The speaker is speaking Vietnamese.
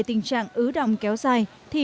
tình trạng ứ động kéo dài thì